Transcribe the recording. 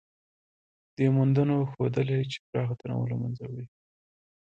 دې موندنو ښودلې، چې پراخه تنوع له منځه لاړه.